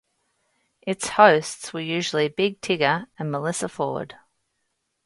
Its hosts were usually Big Tigger and Melyssa Ford.